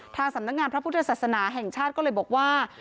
ทางสำนักงานพระพุทธศาสนาแห่งชาติก็เลยบอกว่า